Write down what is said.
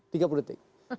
tunggu tiga puluh detik